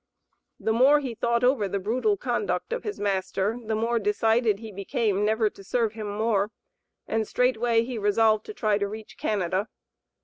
The more he thought over the brutal conduct of his master the more decided he became never to serve him more, and straightway he resolved to try to reach Canada.